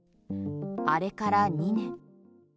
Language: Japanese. あれから２年。